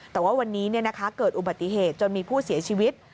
แต่ว่าวันนี้เกิดอุบัติเหตุจนมีผู้เสียชีวิต